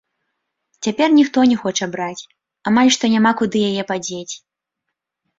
Цяпер ніхто не хоча браць, амаль што няма куды яе падзець.